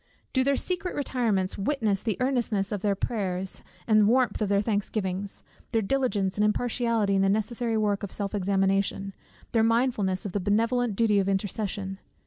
Do their secret retirements witness the earnestness of their prayers and the warmth of their thanksgivings, their diligence and impartiality in the necessary work of self examination, their mindfulness of the benevolent duty of intercession?